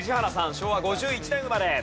昭和５１年生まれ。